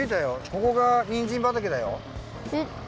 ここがにんじんばたけだよ。